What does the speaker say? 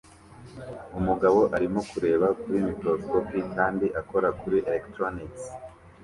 Umugabo arimo kureba kuri microscope kandi akora kuri electronics